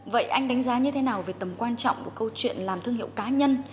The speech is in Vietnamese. vậy anh đánh giá như thế nào về tầm quan trọng của câu chuyện làm thương hiệu cá nhân